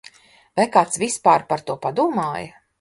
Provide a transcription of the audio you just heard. Vai kāds vispār par to padomāja?